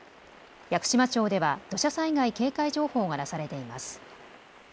屋久島町では土砂災害警戒情報が出されています。